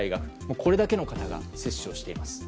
これだけの方が接種をしています。